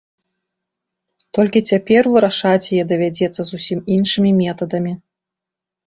Толькі цяпер вырашаць яе давядзецца зусім іншымі метадамі.